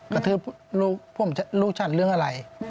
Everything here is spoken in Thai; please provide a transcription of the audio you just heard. กระทืบลูกชันเรื่องอะไร